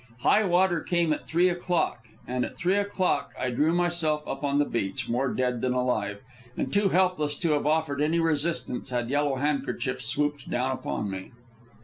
High water came at three o'clock, and at three o'clock I drew myself up on the beach, more dead than alive, and too helpless to have offered any resistence had Yellow Handkerchief swooped down upon me.